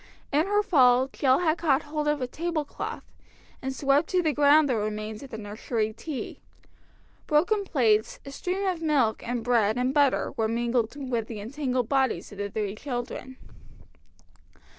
In her fall Jill had caught hold of a tablecloth, and swept to the ground the remains of the nursery tea. Broken plates, a stream of milk, and bread and butter were mingled with the entangled bodies of the three children.